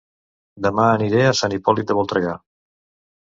Dema aniré a Sant Hipòlit de Voltregà